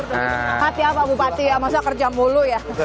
hati hati pak bupati masa kerja mulu ya